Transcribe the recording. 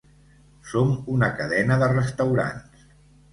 Som una cadena de restaurants.